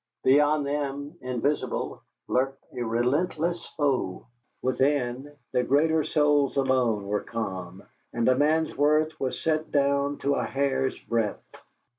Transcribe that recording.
Beyond them, invisible, lurked a relentless foe. Within, the greater souls alone were calm, and a man's worth was set down to a hair's breadth.